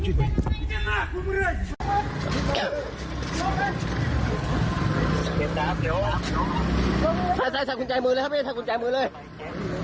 ซัดซัดสั่งคนไจมือเลยค่ะพี่